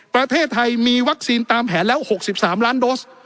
ประเทศไทยมีวัคซีนตามแผนแล้ว๖๓ล้านโดส